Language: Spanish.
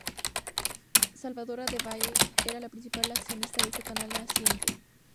Salvadora Debayle era la principal accionista de este canal naciente.